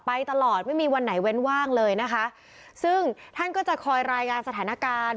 ตลอดไม่มีวันไหนเว้นว่างเลยนะคะซึ่งท่านก็จะคอยรายงานสถานการณ์